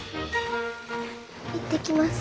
行ってきます。